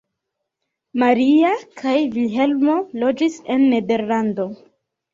Maria kaj Vilhelmo loĝis en Nederlando.